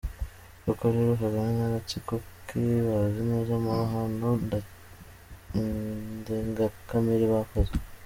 Koko rero Kagame n’Agatsiko ke bazi neza amahano ndengakamere bakoze.